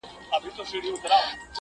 زور د زورور پاچا، ماته پر سجده پرېووت~